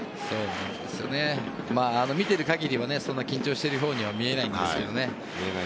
見てる限りはそんな緊張しているようには見えないんですけどね。